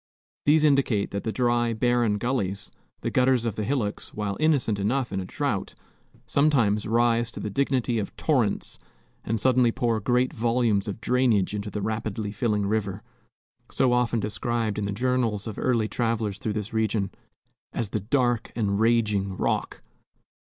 These indicate that the dry, barren gullies, the gutters of the hillocks, while innocent enough in a drought, sometimes rise to the dignity of torrents and suddenly pour great volumes of drainage into the rapidly filling river, so often described in the journals of early travelers through this region, as "the dark and raging Rock."